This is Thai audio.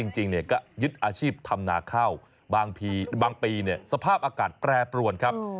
จริงก็ยึดอาชีพทำนาข้าวบางปีเนี่ยสภาพอากาศแปรปรวนครับ